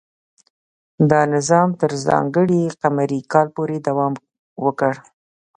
دا نظام تر ځانګړي قمري کال پورې دوام وکړ.